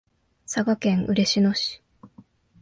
佐賀県嬉野市